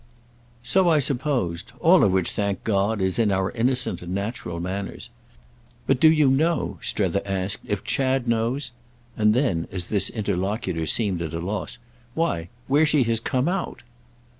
"So I supposed—all of which, thank God, is in our innocent and natural manners. But do you know," Strether asked, "if Chad knows—?" And then as this interlocutor seemed at a loss: "Why where she has come out."